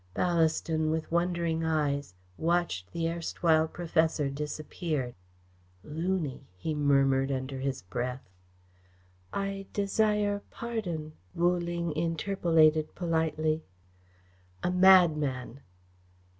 Ballaston, with wondering eyes, watched the erstwhile professor disappear. "Looney!" he murmured, under his breath. "I desire pardon," Wu Ling interpolated politely. "A madman!"